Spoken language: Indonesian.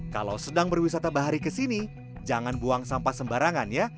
kalau sedang berwisata bahari ke sini jangan buang sampah sembarangan ya